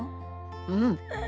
うん。